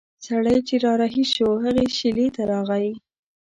سړی چې را رهي شو هغې شېلې ته راغی.